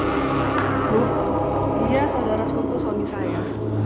ini saudara sepupu suami saya